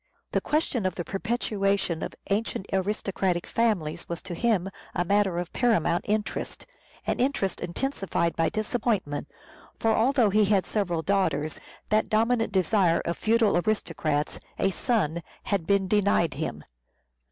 The question of the perpetuation of ancient aristocratic families was to him a matter of paramount interest ; an interest intensified by dis appointment, for although he had several daughters, that dominant desire of feudal aristocrats, a son, had been denied him.